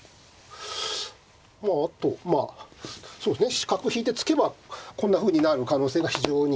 まああとそうですね角引いて突けばこんなふうになる可能性が非常に。